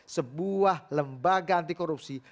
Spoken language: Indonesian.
sebuah lembaga antikorupsi